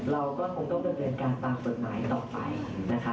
เราก็คงต้องบริเวณการตามผลหมายต่อไปนะคะ